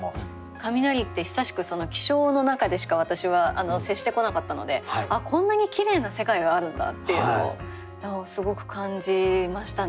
雷って久しく気象の中でしか私は接してこなかったのでこんなにきれいな世界があるんだっていうのをすごく感じましたね。